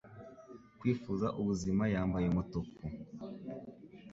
kwifuza ubuzima yambaye umutuku